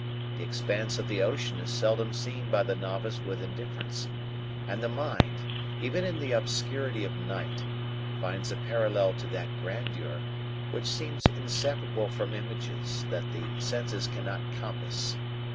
The expanse of the ocean is seldom seen by the novice with indifference; and the mind, even in the obscurity of night, finds a parallel to that grandeur, which seems inseparable from images that the senses cannot compass.